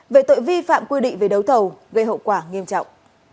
về tội vi phạm quy định về đấu thầu gây hậu quả nghiêm trọng